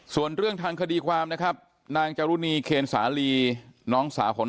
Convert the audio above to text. ส่วนเรื่องทางคดีความนะครับนางจรุณีเคนสาลีน้องสาวของ